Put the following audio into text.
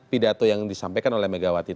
pidato yang disampaikan oleh mega wati